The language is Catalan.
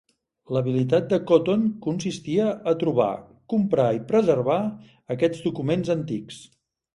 L'habilitat de Cotton consistia a trobar, comprar i preservar aquests documents antics.